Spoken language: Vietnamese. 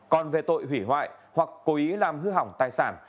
còn về tội hủy hoại hoặc cố ý làm hư hỏng tài sản